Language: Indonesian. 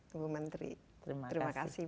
tuhan menteri terima kasih